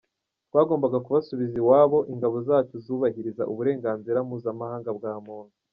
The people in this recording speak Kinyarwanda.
Twagombaga kubasubiza iwabo, ingabo zacu zubahiriza uburenganzira mpuzamahanga bwa muntu.